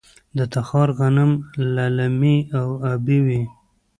د تخار غنم للمي او ابي وي.